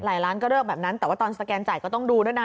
หลายล้านก็เลือกแบบนั้นแต่ว่าตอนสแกนจ่ายก็ต้องดูด้วยนะ